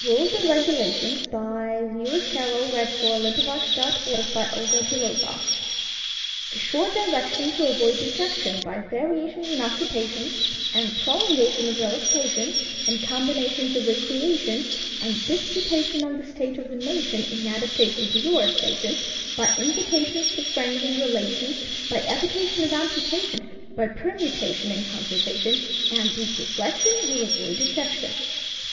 JM Embroideries & Collectibles Rules and Regulations By Lewis Carroll A short direction To avoid dejection, By variations In occupations, And prolongation Of relaxation, And combinations Of recreations, And disputation On the state of the nation In adaptation To your station, By invitations To friends and relations, By evitation Of amputation, By permutation In conversation , And deep reflection You'll avoid dejection.